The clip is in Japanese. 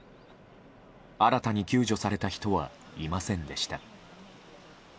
新たに救助された人はいませんでした。